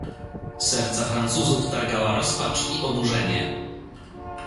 "Serca Francuzów targała rozpacz i oburzenie."